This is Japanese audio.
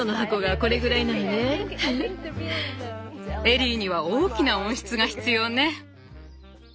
エリーには大きな温室が必要ね。